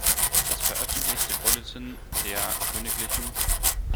Das veröffentlichte Bulletin der kgl.